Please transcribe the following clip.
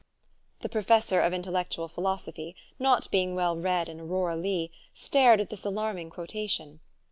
' The professor of intellectual philosophy, not being well read in u Aurora Leigh," stared at this alarm ing quotation.